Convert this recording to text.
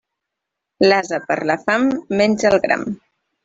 L'ase, per la fam, menja el gram.